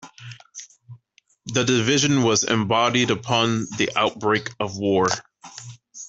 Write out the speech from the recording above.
The division was embodied upon the outbreak of war.